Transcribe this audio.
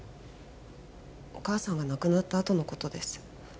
お義母さんが亡くなったあとのことです